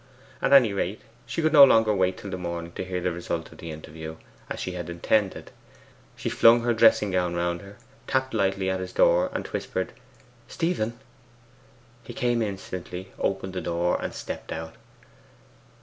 At any rate, she could no longer wait till the morning to hear the result of the interview, as she had intended. She flung her dressing gown round her, tapped lightly at his door, and whispered 'Stephen!' He came instantly, opened the door, and stepped out.